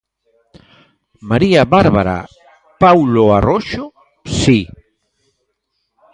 María Bárbara Paulo Arroxo: Si.